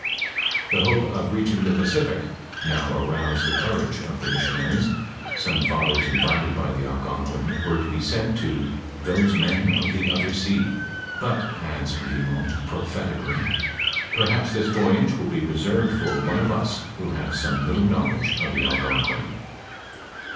The hope of reaching the Pacific now arouaed the courage of the miaaion ariea, aome fathera invited by the Algonquina were to be aent to " thoae men of the other aea," but, adds Vimont prophet ically, " Perhapa thia voyage will be reaerved for one of ua who have aome little knowledge of the Algonquin."